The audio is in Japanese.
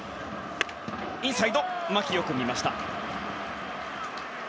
インサイド、牧がよく見ました。